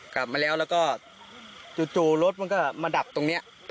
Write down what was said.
กลับมาแล้วแล้วก็จู่รถมันก็มาดับตรงนี้